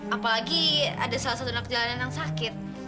apalagi ada salah satu anak jalanan yang sakit